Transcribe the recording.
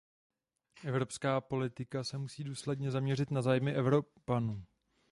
Evropská politika se musí důsledně zaměřit na zájmy Evropanů.